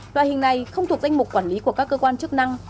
loại hình này không thuộc danh mục quản lý của các cơ quan chức năng